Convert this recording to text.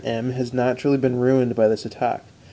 M has naturally been ruined by this attack.